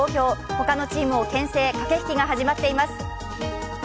ほかのチームをけん制駆け引きが始まっています。